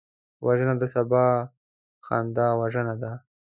وژنه د سبا خندا وژنه ده